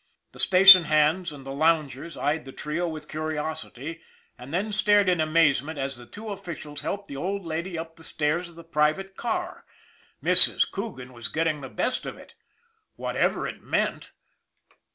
The station hands and the loungers eyed the trio with curiosity, and then stared in amazement as the two officials helped the old lady up the steps of the MARLEY private car Mrs. Coogan was getting the best of it, whatever it meant.